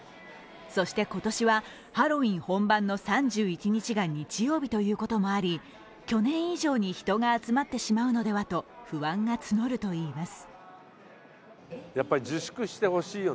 そして今年は、ハロウィーン本番の３１日が日曜日ということもあり去年以上に人が集まってしまうのではと不安が募るといいます。